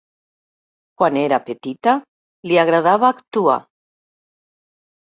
Quan era petita, li agradava actuar.